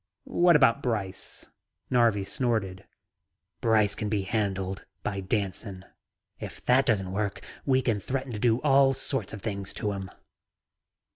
"What about Brice," Narvi snorted. "Brice can be handled by Danson. If that doesn't work, we can threaten to do all sorts of things to him."